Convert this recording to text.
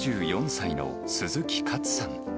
９４歳の鈴木カツさん。